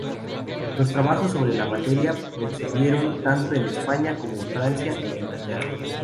Los trabajos sobre la materia prosiguieron tanto en España como en Francia e Inglaterra.